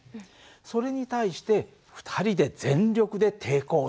それに対して２人で全力で抵抗する。